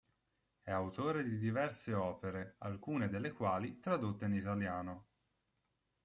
È autore di diverse opere, alcune delle quali tradotte in italiano.